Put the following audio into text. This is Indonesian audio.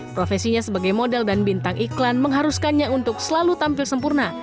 profesinya sebagai model dan bintang iklan mengharuskannya untuk selalu tampil sempurna